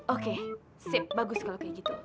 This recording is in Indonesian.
oke sip bagus kalau kayak gitu